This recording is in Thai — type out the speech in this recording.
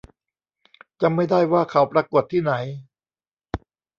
จำไม่ได้ว่าเขาปรากฏที่ไหน